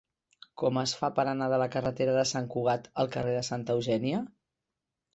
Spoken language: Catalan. Com es fa per anar de la carretera de Sant Cugat al carrer de Santa Eugènia?